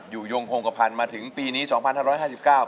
อยู่ยงภงกภัณฑ์มาถึงปีนี้๒๕๕๙บาท